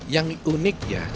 yang unik ya